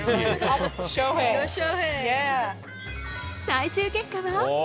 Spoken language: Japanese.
最終結果は？